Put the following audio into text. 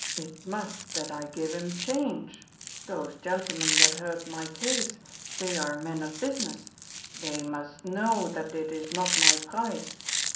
It must that I give 'im change! Those gentlemen that heard my case, they are men of business, they must know that it is not my price.